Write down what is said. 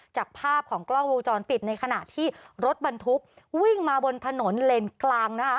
จากภาพของกล้องวงจรปิดในขณะที่รถบรรทุกวิ่งมาบนถนนเลนกลางนะคะ